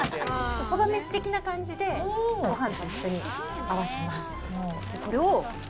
そばめし的な感じでごはんと一緒に合わせます。